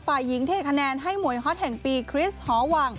ฟายิงเทคะแนนให้หมวยฮอตแห่งปีคริสฮว